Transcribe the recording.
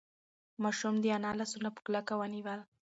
ماشوم د انا لاسونه په کلکه ونیول.